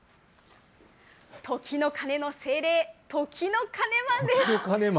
時の鐘の精霊、時の鐘マンです。